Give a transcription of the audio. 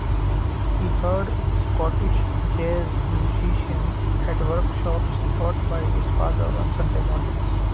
He heard Scottish jazz musicians at workshops taught by his father on Saturday mornings.